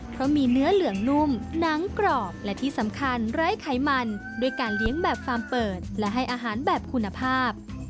เพราะมีเนื้อเหลืองนุ่มหนังกรอบและที่สำคัญไร้ไขมันด้วยการเลี้ยงแบบฟาร์มเปิดและให้อาหารแบบคุณภาพ